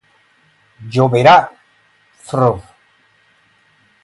Llobera", "Fr.